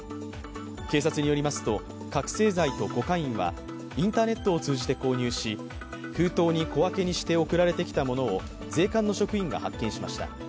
警察によりますと、覚醒剤とコカインはインターネットを通じて購入し封筒に小分けにして送られてきたものを税関の職員が発見しました。